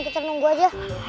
kita nunggu aja